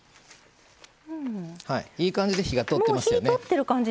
いい感じで火が通ってますよね。